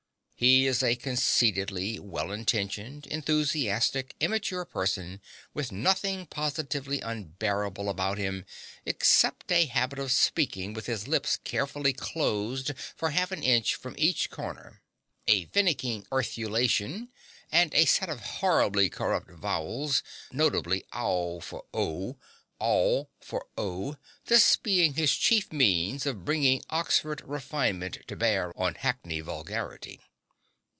He is a conceitedly well intentioned, enthusiastic, immature person, with nothing positively unbearable about him except a habit of speaking with his lips carefully closed for half an inch from each corner, a finicking arthulation, and a set of horribly corrupt vowels, notably ow for o, this being his chief means of bringing Oxford refinement to bear on Hackney vulgarity.